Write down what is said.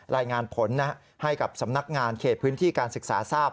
รายงานผลให้กับสำนักงานเขตพื้นที่การศึกษาทราบ